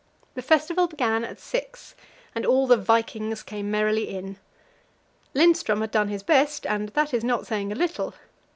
The festival began at six, and all the "vikings" came merrily in. Lindström had done his best, and that is not saying a little.